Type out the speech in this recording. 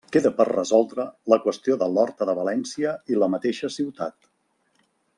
Queda per resoldre la qüestió de l'Horta de València i la mateixa ciutat.